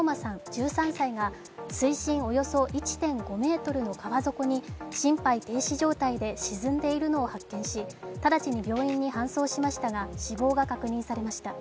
１３歳が水深およそ１．５ｍの川底に心肺停止状態で沈んでいるのを発見し直ちに病院に搬送しましたが死亡が確認されました。